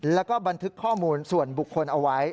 แล้วก็บันทึกข้อมูลส่วนบุคคลเอาไว้